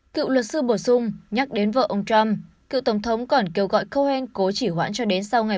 cựu luật sư bổ sung nhắc đến vợ ông trump cựu tổng thống còn kêu gọi cohen cố chỉ hoãn cho đến sau ngày